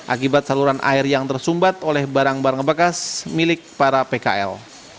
akibat saluran air yang tersumbat oleh barang barang bekas milik para pkl